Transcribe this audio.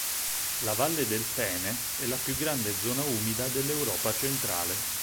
La valle del Peene è la più grande zona umida dell'Europa centrale.